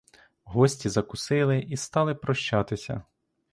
Гості закусили і стали прощатися.